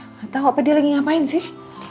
nggak tau apa dia lagi ngapain sih